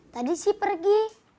tadi sih pergi